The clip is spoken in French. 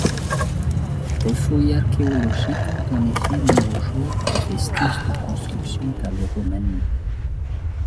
Des fouilles archéologiques ont en effet mis au jour des vestiges de constructions gallo-romaines.